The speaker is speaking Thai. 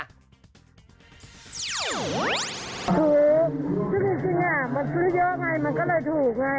คือจริงมันซื้อเยอะไงมันก็เลยถูกไง